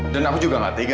dan aku juga gak tega